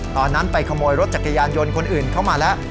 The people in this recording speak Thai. ไปขโมยรถจักรยานยนต์คนอื่นเข้ามาแล้ว